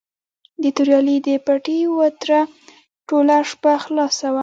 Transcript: د توریالي د پټي وتره ټوله شپه خلاصه وه.